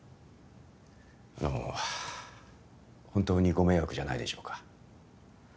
でも本当にご迷惑じゃないでしょうか？